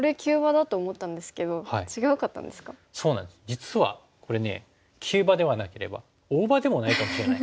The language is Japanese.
実はこれ急場でなければ大場でもないかもしれない。